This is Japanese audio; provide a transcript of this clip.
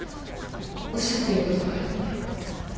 おっしゃっていることがよく。